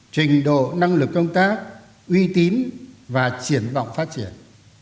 trình độ năng lực công tác uy tín và triển vọng phát triển